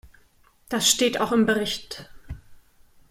Das steht auch im Bericht.